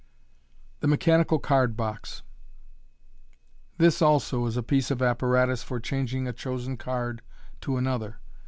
The Mechanical Card box. — This also is a piece of apparatus for changing a chosen card to another.